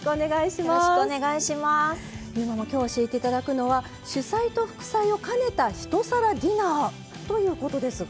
今日教えて頂くのは主菜と副菜を兼ねた一皿ディナーということですが。